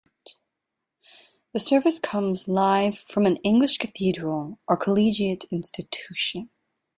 The service comes live from an English cathedral or collegiate institution.